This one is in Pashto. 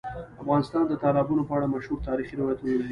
افغانستان د تالابونو په اړه مشهور تاریخی روایتونه لري.